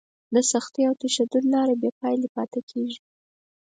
د سختي او تشدد لاره بې پایلې پاتې کېږي.